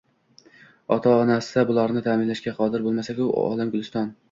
Ota-onasi bularni taʼminlashga qodir boʻlsa-ku, olam guliston